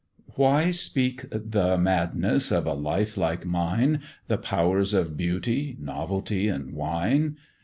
"Why speak the madness of a life like mine, The powers of beauty, novelty, and wine?